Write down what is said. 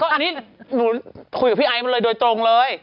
อันนี้หนูคุยกับพี่ไอซ์มาเลยโดยตรงเลย